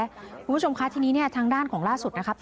คุณผู้ชมคะที่นี่ทางด้านของล่าสุดนะคะ